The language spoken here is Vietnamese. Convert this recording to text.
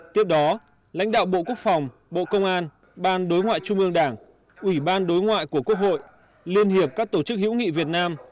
tiếp đó lãnh đạo bộ quốc phòng bộ công an ban đối ngoại trung ương đảng ủy ban đối ngoại của quốc hội liên hiệp các tổ chức hữu nghị việt nam